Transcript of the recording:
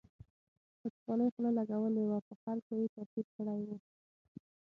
وچکالۍ خوله لګولې وه په خلکو یې تاثیر کړی و.